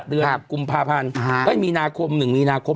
เดือนกุมภาพันธ์ไม่มีนาคมหนึ่งมีนาคม